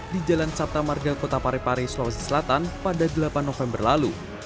di jalan saptamarga kota parepare sulawesi selatan pada delapan november lalu